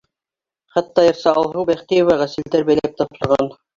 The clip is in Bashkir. Хатта йырсы Алһыу Бәхтиеваға селтәр бәйләп тапшырған.